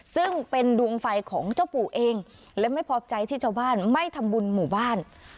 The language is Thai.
ซึ่งเป็นดวงไฟของเจ้าปู่เองและไม่พอใจที่ชาวบ้านไม่ทำบุญหมู่บ้าน